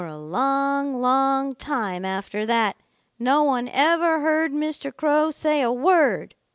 "For a long, long time after that no one ever heard Mr. Crow say a word.